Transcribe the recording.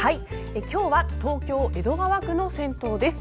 今日は東京・江戸川区の銭湯です。